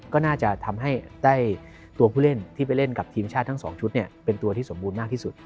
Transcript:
ก็น่าจะทำให้ได้ตัวผู้เล่นที่ไปเล่นกับทีมชาติทั้ง๒ชุดเป็นตัวที่สมบูรณ์มากที่สุด